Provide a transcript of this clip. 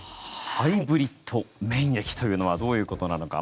ハイブリッド免疫とはどういうことなのか。